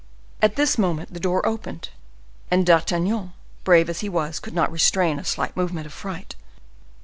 At this moment the door opened, and D'Artagnan, brave as he was, could not restrain a slight movement of fright.